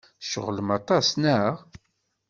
Tceɣlem aṭas, naɣ?